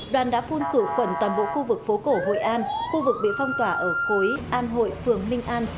đoàn đã phun khử khuẩn toàn bộ khu vực phố cổ hội an khu vực bị phong tỏa ở khối an hội phường minh an